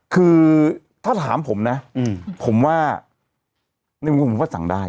คือถ้าถามผมนะผมว่าสั่งได้